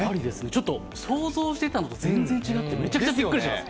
ちょっと想像してたのと全然違って、めちゃくちゃびっくりしてます。